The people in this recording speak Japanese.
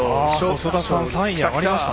細田が３位に上がりました。